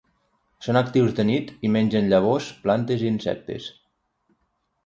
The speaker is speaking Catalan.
Són actius de nit i mengen llavors, plantes i insectes.